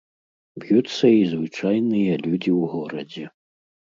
Б'юцца і звычайныя людзі ў горадзе.